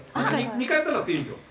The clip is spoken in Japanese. ２回打たなくていいんですよ。